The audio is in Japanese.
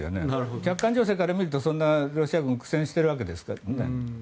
客観情勢から見るとロシア軍は苦戦しているわけですからね。